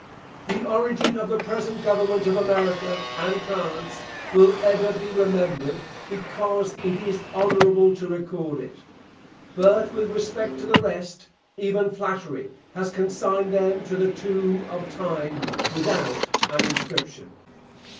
The origin of the present government of America and France will ever be remembered, because it is honourable to record it; but with respect to the rest, even Flattery has consigned them to the tomb of time, without an inscription.